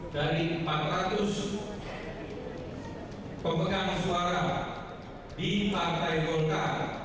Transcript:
dari empat ratus pemegang suara di partai golkar